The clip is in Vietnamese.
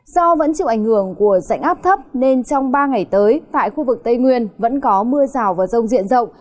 do vẫn chịu ảnh hưởng của dạnh áp thấp nên trong ba ngày tới tại khu vực tây nguyên vẫn có mưa rào và rông diện rộng